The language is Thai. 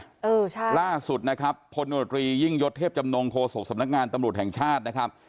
เออใช่ล่าสุดนะครับพลโนตรียิ่งยศเทพจำนงโฆษกสำนักงานตำรวจแห่งชาตินะครับ